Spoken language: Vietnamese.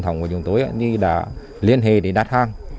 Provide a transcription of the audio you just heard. tổng của chúng tôi đã liên hệ để đặt hàng